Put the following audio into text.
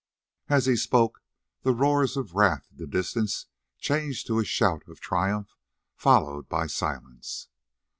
As he spoke the roars of wrath in the distance changed to a shout of triumph followed by silence.